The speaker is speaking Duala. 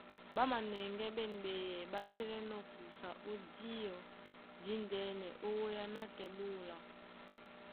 Ɓá manɛŋgɛ́ ɓên ɓeyɛy ɓá sɛ́lɛ́nɔ̄ kusa ó díɔ díndɛ́nɛ ó wéá nátɛɛ ɓé óla.